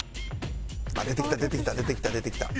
あっ出てきた出てきた出てきた出てきた。